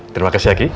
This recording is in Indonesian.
terima kasih aki